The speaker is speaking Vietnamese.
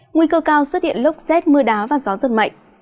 nguy cơ cao xuất hiện lốc rét mưa đá và gió rất mạnh